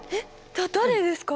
だ誰ですか？